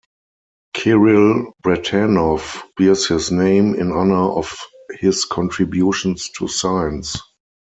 Kiril Bratanov bears his name in honor of his contributions to science.